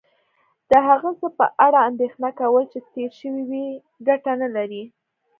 د هغه څه په اړه اندېښنه کول چې تیر شوي وي کټه نه لرې